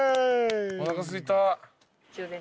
おなかすいた。